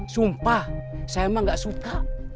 sumpah saya emang gak suka